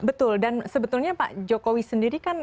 betul dan sebetulnya pak jokowi sendiri kan